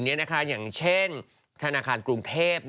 อย่างเช่นธนาคารกรุงเทพ